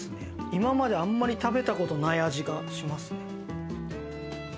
今まであんまり食べた事ない味がしますね。